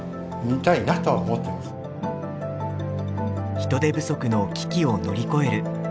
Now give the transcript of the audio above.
人手不足の危機を乗り越える。